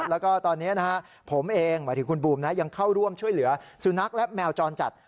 แล้วก็ตอนนี้นะฮะผมเองหมายถึงคุณบูมนะยังเข้าร่วมช่วยเหลือสุนัขและแมวจรจัด